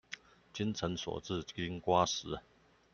精誠所至金瓜石